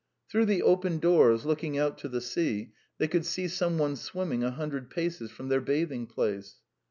Through the open doors looking out to the sea they could see some one swimming a hundred paces from their bathing place.